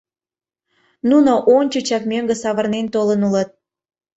Нуно ончычак мӧҥгӧ савырнен толын улыт.